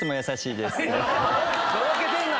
のろけてんな！